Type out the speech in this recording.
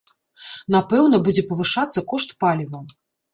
Напэўна будзе павышацца кошт паліва.